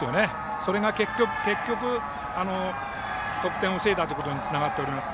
それが結局、得点を防いだことにつながっております。